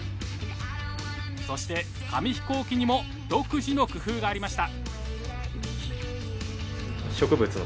そして紙飛行機にも独自の工夫がありました。